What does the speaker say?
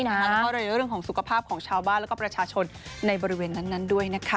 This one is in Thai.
แล้วก็ในเรื่องของสุขภาพของชาวบ้านแล้วก็ประชาชนในบริเวณนั้นด้วยนะคะ